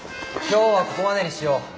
今日はここまでにしよう。